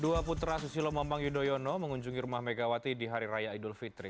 dua putra susilo bambang yudhoyono mengunjungi rumah megawati di hari raya idul fitri